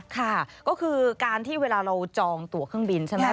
ค่ะก็คือการที่เวลาเราจองตัวเครื่องบินใช่ไหม